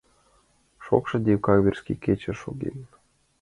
Шокшо декабрьский кече шоген.